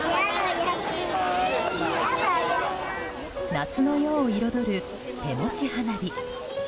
夏の夜を彩る、手持ち花火。